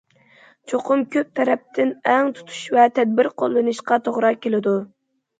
چوقۇم كۆپ تەرەپتىن تەڭ تۇتۇش ۋە تەدبىر قوللىنىشقا توغرا كېلىدۇ.